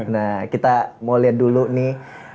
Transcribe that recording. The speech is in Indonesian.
nah kita mau lihat dulu nih